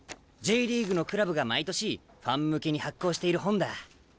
Ｊリーグのクラブが毎年ファン向けに発行している本だ。